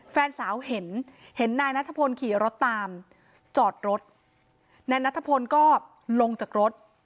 แฟนสาวเห็นเห็นนายนัทพลขี่รถตามจอดรถนายนัทพลก็ลงจากรถ